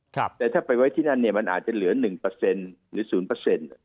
แต่ถ้าไปไว้ที่นั่นมันอาจจะเหลือ๑หรือ๐